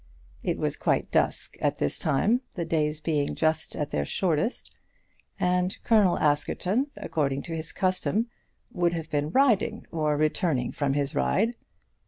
It was quite dusk at this time, the days being just at their shortest, and Colonel Askerton, according to his custom, would have been riding, or returning from his ride.